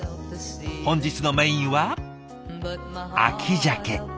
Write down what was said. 本日のメインは秋鮭。